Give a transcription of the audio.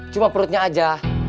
cuma perutnya aja